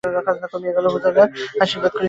খাজনা কমিয়া গেল, প্রজারা আশীর্বাদ করিতে লাগিল।